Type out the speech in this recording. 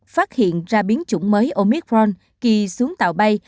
phát hiện ra biến chủng mới omicron kỳ xuống tàu bay